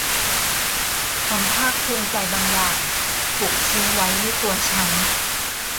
ความภาคภูมิใจบางอย่างถูกทิ้งไว้ในตัวฉัน